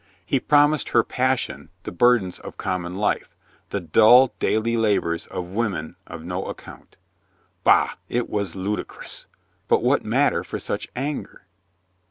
He promised her passion the burdens of common life, the dull daily labors of women of no account. Bah, it was ludicrous, but what matter for such anger?